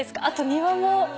庭も。